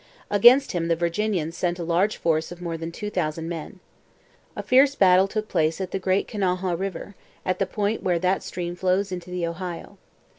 Against him the Virginians sent a large force of more than two thousand men. A fierce battle took place at the Great Kanawha river, at the point where that stream flows into the Ohio.